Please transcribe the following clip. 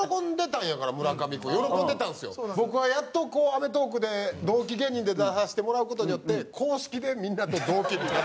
僕はやっと『アメトーーク』で同期芸人で出させてもらう事によって公式でみんなと同期になった。